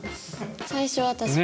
最初は確かに。